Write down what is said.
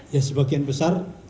ya sebagian besar